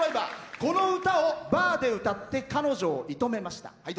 この歌をバーで歌って彼女を射止めました。